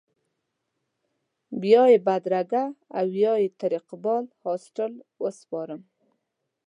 بیا یې بدرګه او یا یې تر اقبال هاسټل وسپارم.